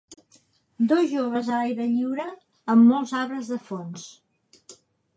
Dos joves a l'aire lliure, amb molts arbres de fons.